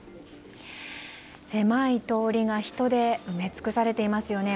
狭い通りが人で埋め尽くされていますよね。